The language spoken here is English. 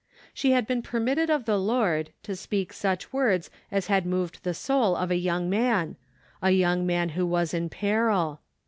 She had been permitted of the Lord, to speak such words as had moved the soul of a young man — a ycung man who was in peril.